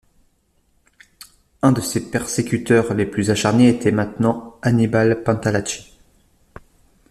Un de ses persécuteurs les plus acharnés était maintenant Annibal Pantalacci.